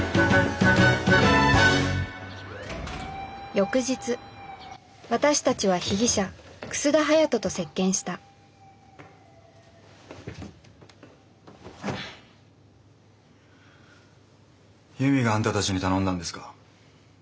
翌日私たちは被疑者楠田隼人と接見した悠美があんたたちに頼んだんですか？